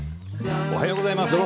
おはようございます。